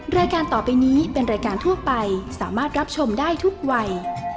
รายการต่อไปนี้เป็นรายการทั่วไปสามารถรับชมได้ทุกวัย